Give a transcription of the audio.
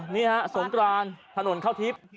นี่ฮะสงกรานถนนเข้าทิพย์